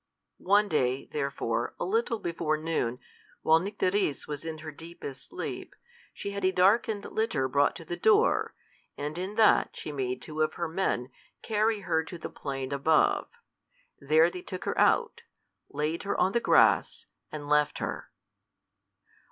One day, therefore, a little before noon, while Nycteris was in her deepest sleep, she had a darkened litter brought to the door, and in that she made two of her men carry her to the plain above. There they took her out, laid her on the grass, and left her.